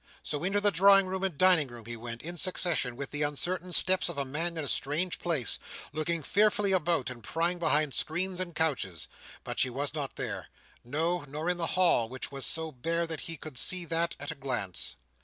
So, into the drawing room and dining room he went, in succession, with the uncertain steps of a man in a strange place; looking fearfully about, and prying behind screens and couches; but she was not there. No, nor in the hall, which was so bare that he could see that, at a glance.